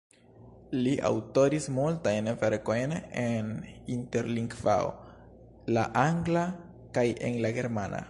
Li aŭtoris multajn verkojn en Interlingvao, la angla kaj en la germana.